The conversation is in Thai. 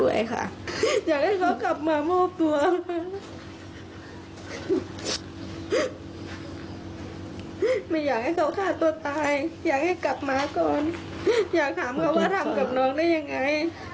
อยากถามเขาว่าทำกับน้องได้ยังไง